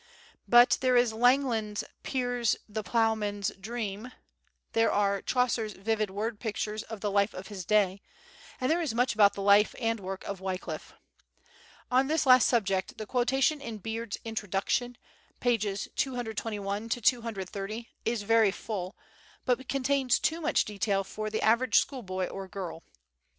But there is Langland's "Piers the Plowman's Dream," there are Chaucer's vivid word pictures of the life of his day, and there is much about the life and work of Wyclif. On this last subject the quotation in Beard's "Introduction," pp. 221 230, is very full, but contains too much detail for the average school boy or girl.